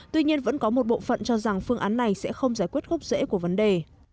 tuy nhiên vẫn có một bộ phận cho rằng phương án này sẽ không giải quyết gốc rễ của vấn đề